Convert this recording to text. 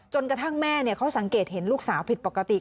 กระทั่งแม่เขาสังเกตเห็นลูกสาวผิดปกติ